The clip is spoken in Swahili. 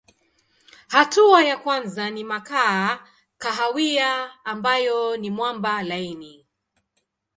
Hatua ya kwanza ni makaa kahawia ambayo ni mwamba laini.